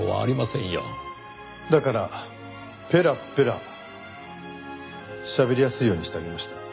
だからペラペラしゃべりやすいようにしてあげました。